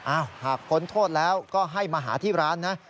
หากพ้นโทษแล้วก็ให้มาหาที่ร้านนะ